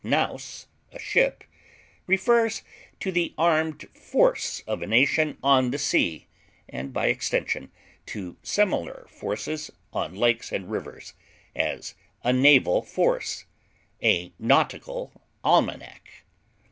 naus, a ship) refers to the armed force of a nation on the sea, and, by extension, to similar forces on lakes and rivers; as, a naval force; a nautical almanac.